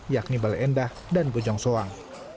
yakni bale endah dan bojong soang